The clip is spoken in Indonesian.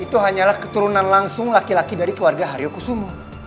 itu hanyalah keturunan langsung laki laki dari keluarga haryo kusumo